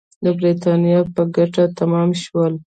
د برېټانیا په ګټه تمام شول.